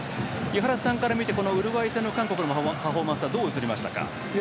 井原さんから見てウルグアイ戦の韓国のパフォーマンスはどう映りましたか？